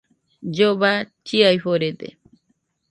Lloba chiaforede